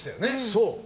そう。